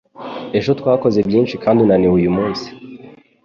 Ejo twakoze byinshi kandi unaniwe uyu munsi.